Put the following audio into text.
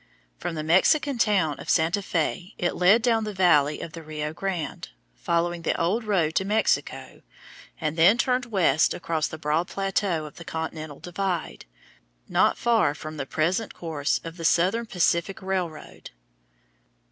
From the Mexican town of Santa Fé it led down the valley of the Rio Grande, following the old road to Mexico, and then turned west across the broad plateau of the continental divide, not far from the present course of the Southern Pacific Railroad.